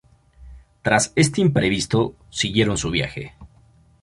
Tras este imprevisto siguieron su viaje.